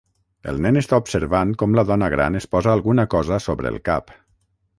El nen està observant com la dona gran es posa alguna cosa sobre el cap.